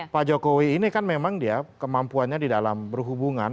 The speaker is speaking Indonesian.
pak jokowi ini kan memang dia kemampuannya di dalam berhubungan